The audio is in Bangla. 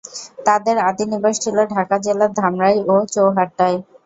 তাদের আদি নিবাস ছিল ঢাকা জেলার ধামরাই ও চৌহাট্টায়।